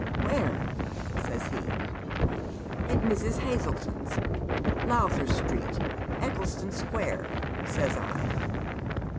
•Where?' says he. 'At Mrs. Hazleton's, Lowther Street, Ei'cleston S(|uare,' says I.